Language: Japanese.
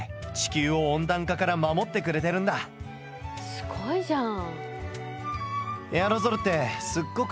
すごいじゃん。